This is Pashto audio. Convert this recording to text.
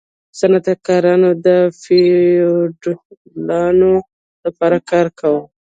صنعتکارانو به د فیوډالانو لپاره کار کاوه.